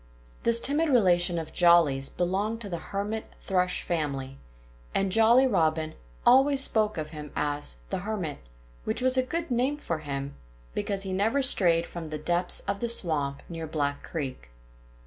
This timid relation of Jolly's belonged to the Hermit Thrush family; and Jolly Robin always spoke of him as "The Hermit," which was a good name for him, because he never strayed from the depths of the swamp near Black Creek.